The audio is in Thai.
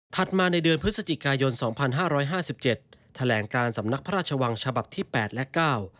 ถัดมาในเดือนพฤศจิกายน๒๕๕๗แถลงการสำนักพระชวังฉบับที่๘และ๙